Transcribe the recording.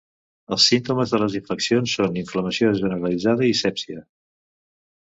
Els símptomes de les infeccions són inflamació generalitzada i sèpsia.